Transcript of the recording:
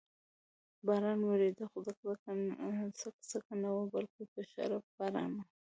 باران ورېده، خو څک څک نه و، بلکې په شړپ باران و.